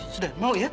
sudah mau ya